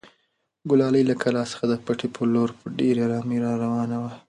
ګلالۍ له کلا څخه د پټي په لور په ډېرې ارامۍ راروانه وه.